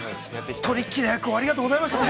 トリッキーな役をありがとうございました。